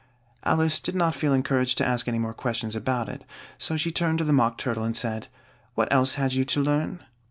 Alice did not feel encouraged to ask any more questions about it, so she turned to the Mock Turtle and said, "What else had you to learn?"